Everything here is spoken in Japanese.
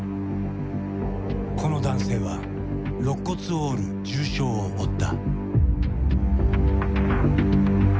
この男性はろっ骨を折る重傷を負った。